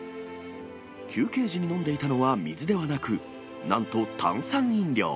休憩時に飲んでいたのは水ではなく、なんと炭酸飲料。